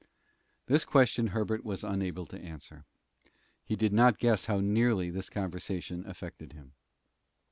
This question Herbert was unable to answer. He did not guess how nearly this conversation affected him.